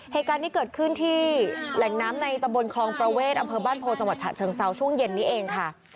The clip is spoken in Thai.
เหตุการณ์นี้เกิดขึ้นที่แหล่งน้ำในตะบนคลองประเวทอำเภอบ้านโพจังหวัดฉะเชิงเซาช่วงเย็นนี้เองค่ะ